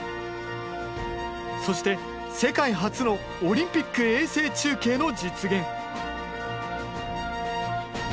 そして世界初のオリンピック衛星中継の実現。